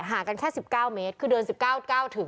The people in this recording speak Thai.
กันแค่๑๙เมตรคือเดิน๑๙๙ถึง